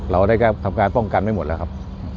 เราได้ทำการป้องกันไม่หมดแล้วครับ